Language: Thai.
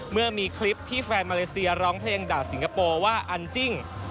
เมื่อมีคลิปที่แฟนมาเลเซียร้องเพลงด่าสิงคโปร์ว่าอันจิ้ง